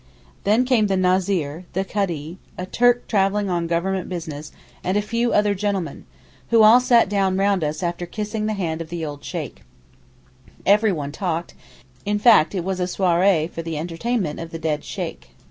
Then came the Názir, the Kadee, a Turk travelling on Government business, and a few other gentlemen, who all sat down round us after kissing the hand of the old Sheykh. Everyone talked; in fact it was a soirée for the entertainment of the dead Sheykh.